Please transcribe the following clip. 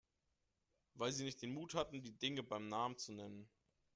Weil Sie nicht den Mut hatten, die Dinge beim Namen zu nennen.